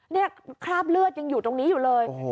นี่คราบเลือดยังอยู่ตรงนี้อยู่เลย